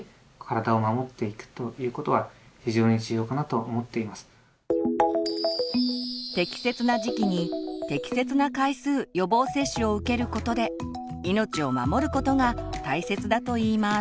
その時にもですね適切な時期に適切な回数予防接種を受けることで命を守ることが大切だといいます。